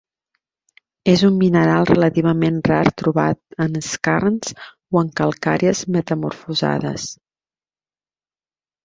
És un mineral relativament rar trobat en skarns o en calcàries metamorfosades.